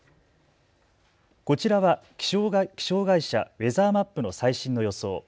こちらは気象会社、ウェザーマップの最新の予想。